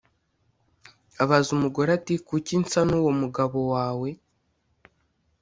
abaza umugore ati «kuki nsa n’uwo mugabo wawe ?